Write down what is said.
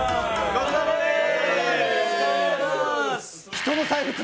ごちそうさまです！